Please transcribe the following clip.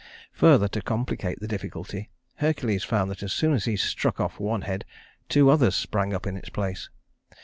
Further to complicate the difficulty, Hercules found that as soon as he struck off one head, two others sprang up in its place.